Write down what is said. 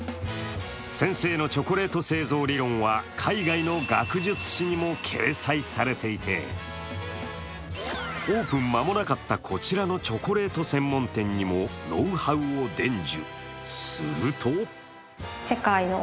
先生のチョコレート製造理論は海外の学術誌にも掲載されていてオープン間もなかったこちらのチョコレート専門店にもノウハウを伝授。